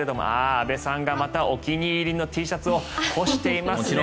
安部さんがまたお気に入りのＴシャツを干していますね。